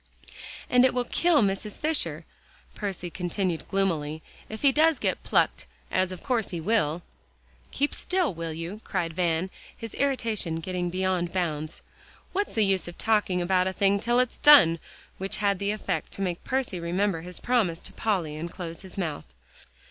"And it will kill Mrs. Fisher," Percy continued gloomily, "if he does get plucked, as of course he will." "Keep still, will you?" cried Van, his irritation getting beyond bounds. "What's the use of talking about a thing till it's done," which had the effect to make Percy remember his promise to Polly and close his mouth.